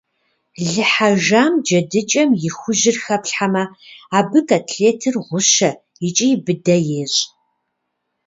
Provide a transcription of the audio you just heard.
Лы хьэжам джэдыкӀэм и хужьыр хэплъхьэмэ, абы котлетыр гъущэ икӀи быдэ ещӀ.